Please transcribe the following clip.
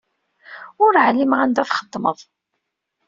Ur ɛlimeɣ anda txeddmeḍ.